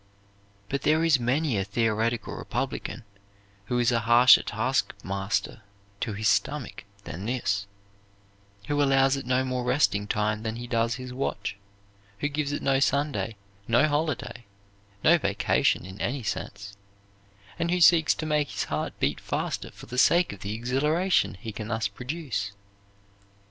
But there is many a theoretical republican who is a harsher taskmaster to his stomach than this; who allows it no more resting time than he does his watch; who gives it no Sunday, no holiday, no vacation in any sense, and who seeks to make his heart beat faster for the sake of the exhilaration he can thus produce.